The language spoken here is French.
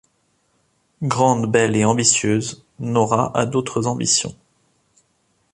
Grande, belle et ambitieuse, Nora a d’autres ambitions.